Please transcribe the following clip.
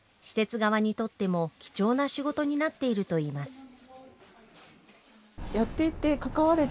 施設側にとっても貴重な仕事になっているといいます。